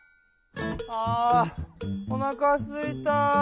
あおなかすいた。